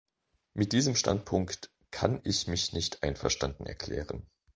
Mit diesem Standpunkt kann ich mich nicht einverstanden erklären.